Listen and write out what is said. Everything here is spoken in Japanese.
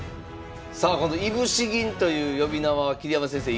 さあこのいぶし銀という呼び名は桐山先生